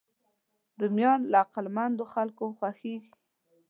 رومیان له عقلمندو خلکو خوښېږي